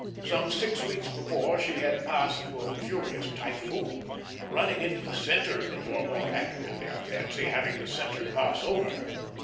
Some six weeks before she had passed through a furious typhoon, running into the centre of it; or, more accurately, I fancy, having the centre pass over her.